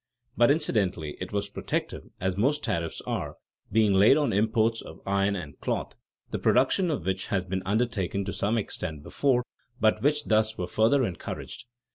but incidentally it was protective (as most tariffs are), being laid on imports of iron and cloth, the production of which had been undertaken to some extent before, but which thus were further encouraged.